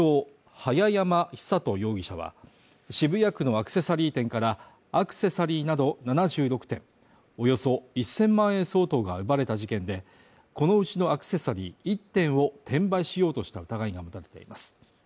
早山尚人容疑者は、渋谷区のアクセサリー店からアクセサリーなど７６点およそ１０００万円相当が奪われた事件で、このうちのアクセサリー一点を転売しようとした疑いが持たれています。